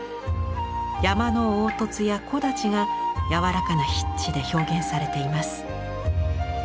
山の凹凸や木立が柔らかな筆致で表現されています。